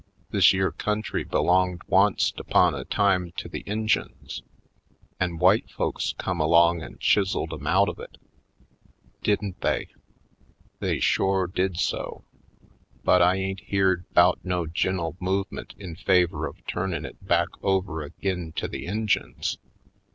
This yere country belonged once't upon a time to the Injuns. An' w'ite folks come along an' chiseled 'em out of it, didn't they? They shore did so ! But I ain't beared 'bout Afric Shores 157 no gin'el movemint in favor of turnln' it back over ag'in to the Injuns.